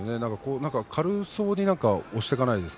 なんか軽そうに押していかないですか？